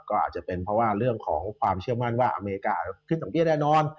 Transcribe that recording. ก็อาจจะเป็นเพราะว่าเรื่องของความเชื่อมั่นว่าอเมริกาขึ้นดอกเบี้ยแน่นอน